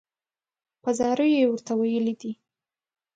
په زاریو یې ورته ویلي دي.